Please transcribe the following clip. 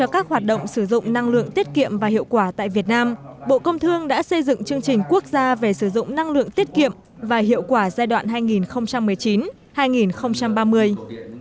các nguồn than khí nhập khẩu phụ thuộc từ bên ngoài nên việc dùng năng lượng tiết kiệm và hiệu quả sẽ góp phần quan trọng trong việc đảm bảo cung ứng điện